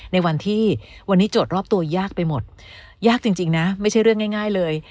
ในวันที่วันนี้โจทย์รอบตัวยากไปหมดยากจริงนะไม่ใช่เรื่องง่ายเลย